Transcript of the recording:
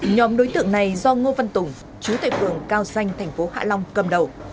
nhóm đối tượng này do ngô văn tùng chú tệ phường cao xanh tp hạ long cầm đầu